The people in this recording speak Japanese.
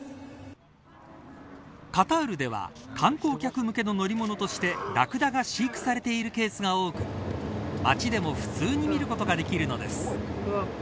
カタールでは観光客向けの乗り物としてラクダが飼育されているケースが多く街でも普通に見ることができるのです。